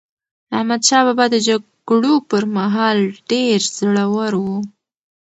احمدشاه بابا د جګړو پر مهال ډېر زړور و.